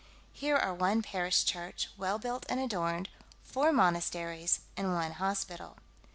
Here are one parish church, well built and adorned, four monasteries, and one hospital.